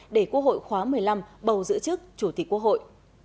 để quốc hội khóa một mươi năm bầu giữ chức chủ tịch quốc hội